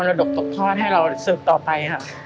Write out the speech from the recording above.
ดกตกทอดให้เราสืบต่อไปค่ะ